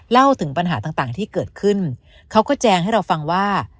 เล่าถึงปัญหาต่างที่เกิดขึ้นเขาก็แจงให้เราฟังว่า